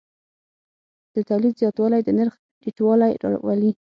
د تولید زیاتوالی د نرخ ټیټوالی راولي.